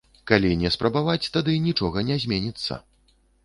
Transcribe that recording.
Калі не спрабаваць, тады нічога не зменіцца.